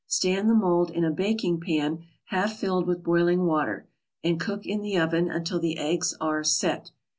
Stand the mold in a baking pan half filled with boiling water, and cook in the oven, until the eggs are "set."